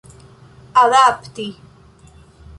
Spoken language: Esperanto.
adapti